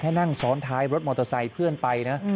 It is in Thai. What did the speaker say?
นั่งซ้อนท้ายรถมอเตอร์ไซค์เพื่อนไปนะ